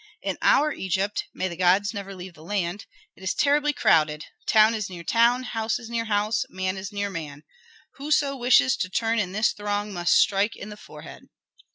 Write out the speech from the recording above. In our Egypt may the gods never leave the land! it is terribly crowded; town is near town, house is near house, man is near man. Whoso wishes to turn in this throng must strike in the forehead."